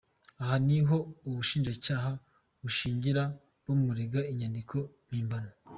Aha ni ho ubushinjacyaha bushingira bumurega inyandiko mpimbano.